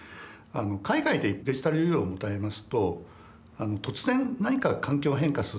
海外でデジタルユーロを持たれますと突然何か環境が変化するとですね